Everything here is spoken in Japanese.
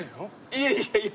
いやいやいや。